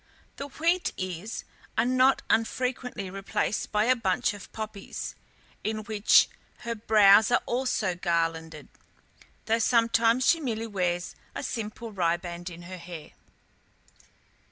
The wheat ears are not unfrequently replaced by a bunch of poppies, with which her brows are also garlanded, though sometimes she merely wears a simple riband in her hair.